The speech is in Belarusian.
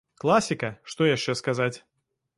Класіка, што яшчэ сказаць.